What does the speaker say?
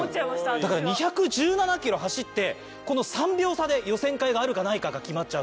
だから２１７ｋｍ走ってこの３秒差で予選会があるかないかが決まっちゃう。